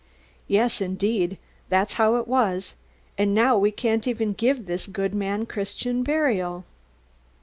"Yes, indeed, that's how it was. And now we can't even give this good man Christian burial."